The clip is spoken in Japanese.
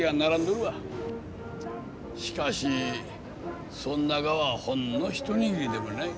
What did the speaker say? しかしそんながはほんの一握りでもない。